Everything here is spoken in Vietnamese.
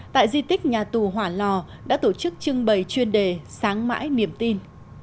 tại di tích nhà tù hỏa lò đã tổ chức trưng bày chuyên đề sáng mãi niềm tin